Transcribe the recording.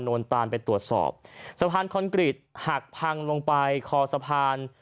นตานไปตรวจสอบสะพานคอนกรีตหักพังลงไปคอสะพาน